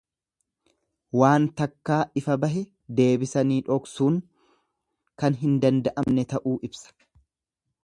Waan takkaa ifa bahe deebisanii dhoksuun kan hin danda'amne ta'uu ibsa.